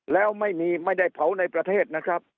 แล้วไม่มีไม่ได้เผาในประเทศนะครับ